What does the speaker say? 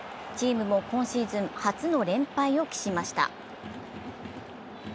チームも今シーズン初の連敗を喫しました。